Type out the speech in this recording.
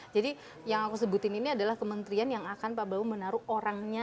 jadi yang aku sebutin ini adalah kementerian yang akan menaruh orangnya